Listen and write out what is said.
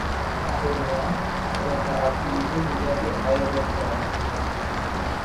Akhirnya, kereta-kereta api ini menjadi Aerotrain.